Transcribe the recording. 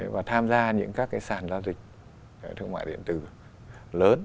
và tham gia những các cái sản giao dịch thương mại điện tử lớn